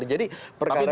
jadi perkara ini